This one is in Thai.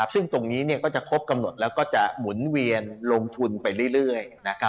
ซึ่งเกาะตรงนี้จะมุนเวียนลงทุนไปเรื่อย